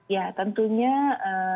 ya tentunya ini bisa